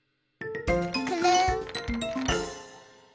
くるん。